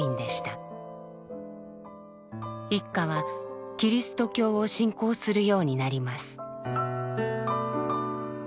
一家はキリスト教を信仰するようになります。